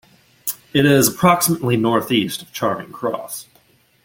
It is approximately north-east of Charing Cross.